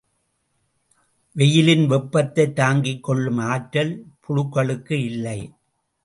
வெயிலின் வெப்பத்தை தாங்கிக் கொள்ளும் ஆற்றல் புழுக்களுக்கு இல்லை.